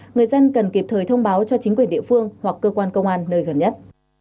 người dân cần kịp thời thông báo cho chính quyền địa phương hoặc cơ quan công an nơi gần nhất